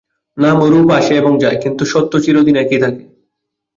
নাম ও রূপ আসে এবং যায়, কিন্তু সত্ত্ব চিরদিন একই থাকে।